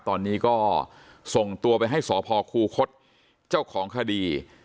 ตอนนี้ก็ส่งตัวไปให้สพคูคศเจ้าของคดี